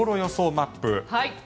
マップ